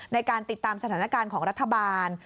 ในการติดตามสถานการณ์ของรัฐบาล